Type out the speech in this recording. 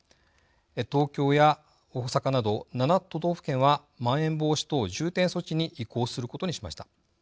東京や大阪など７都道府県はまん延防止等重点措置に移行することにしました。